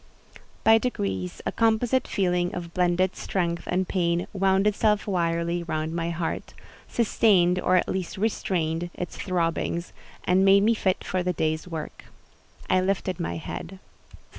By degrees, a composite feeling of blended strength and pain wound itself wirily round my heart, sustained, or at least restrained, its throbbings, and made me fit for the day's work. I lifted my head.